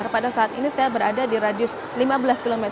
pada saat ini saya berada di radius lima belas km